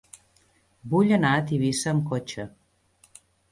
Vull anar a Tivissa amb cotxe.